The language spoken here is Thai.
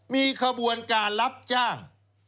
มีขบวนการรับจ้าง